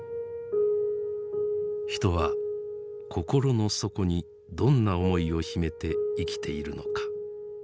人は心の底にどんな思いを秘めて生きているのか。